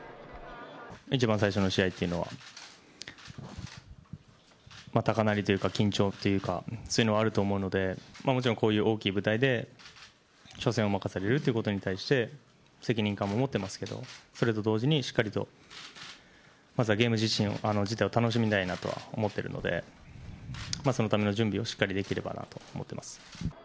一番最初の試合っていうのは、高鳴りというか緊張というか、そういうのはあると思うので、もちろん、こういう大きい舞台で、初戦を任されるということに対して責任感も持ってますけど、それと同時に、しっかりとまずはゲーム自体を楽しみたいなとは思ってるので、そのための準備をしっかりできればなと思っています。